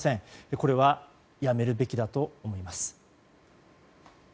これはやめるべきだと思います。